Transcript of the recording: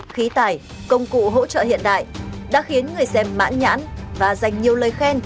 khí tài công cụ hỗ trợ hiện đại đã khiến người xem mãn nhãn và dành nhiều lời khen